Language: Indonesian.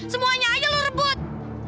semuanya aja lo rebut